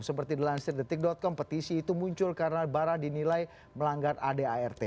seperti dilansir detik com petisi itu muncul karena barah dinilai melanggar adart